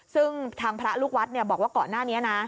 ซึ่งทางพระลูกวัดบอกว่าก่อนหน้านี้นะ